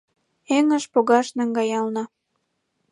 Эҥыж погаш наҥгаялна.